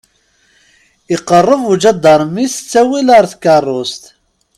Iqeṛṛeb ujadermi s ttawil ar tkeṛṛust.